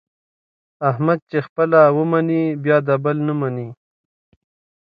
احمد چې خپله و مني بیا د بل نه مني.